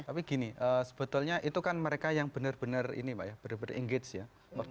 tapi gini sebetulnya itu kan mereka yang benar benar ini pak ya benar benar engage ya